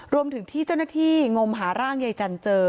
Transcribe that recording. รวมถึงที่เจ้าหน้าที่งมหาร่างยายจันเจอ